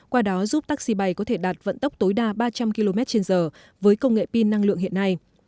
qua đó giúp taxi bay có thể đạt vận tốc tối đa ba trăm linh km trên giờ với công nghệ pin năng lượng hiện nay